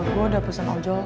gue udah pusing ojo